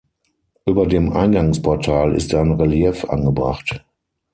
Über dem Eingangsportal ist ein Relief angebracht.